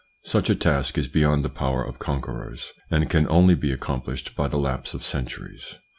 Such a task is beyond the power of conquerors, and can only be accomplished by the lapse of centuries.